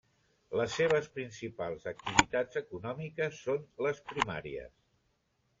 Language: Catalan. Les seves principals activitats econòmiques són les primàries.